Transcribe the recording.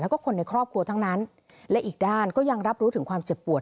แล้วก็คนในครอบครัวทั้งนั้นและอีกด้านก็ยังรับรู้ถึงความเจ็บปวด